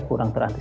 petang ter willie